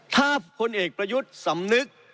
ถ้าพลเอกประยุทธ์สำนึก